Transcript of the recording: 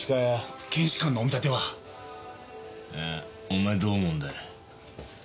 お前どう思うんだよ？